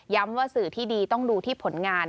ว่าสื่อที่ดีต้องดูที่ผลงาน